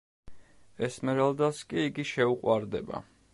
ესმერალდას კი იგი შეუყვარდება.